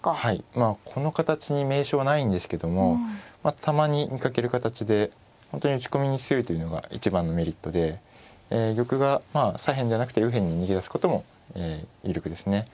まあこの形に名称はないんですけどもたまに見かける形で本当に打ち込みに強いというのが一番のメリットで玉が左辺じゃなくて右辺に逃げ出すことも有力ですね。